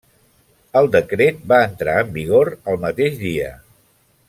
El decret va entrar en vigor el mateix dia.